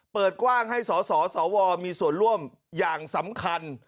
เปิดกว้างให้สสวมีส่วนร่วมอย่างสำคัญ